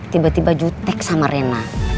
tiba tiba jutek sama rena